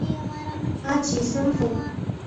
阿奇森府。